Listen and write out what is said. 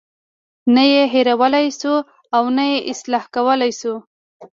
نه یې هیرولای شو او نه یې اصلاح کولی شو.